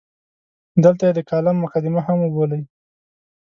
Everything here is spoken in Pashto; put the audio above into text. دلته یې د کالم مقدمه هم وبولئ.